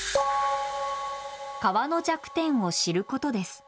川の弱点を知ることです。